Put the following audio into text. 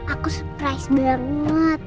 aku surprise banget